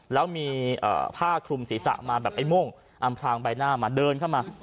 แล้วมีผ้าคลุมศีรษะมาแบบไอ้โม่งอำพลางใบหน้ามาเดินเข้ามา